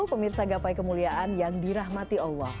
pemirsa gapai kemuliaan yang dirahmati allah